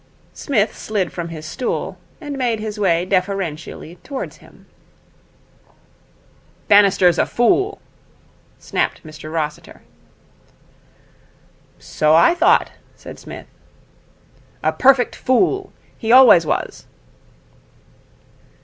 Psmith slid from his stool, and made his way deferentially towards him. 'Bannister's a fool,' snapped Mr Rossiter. 'So I thought,' said Psmith. 'A perfect fool. He always was.'